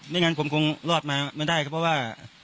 งั้นผมคงรอดมาไม่ได้ครับเพราะว่า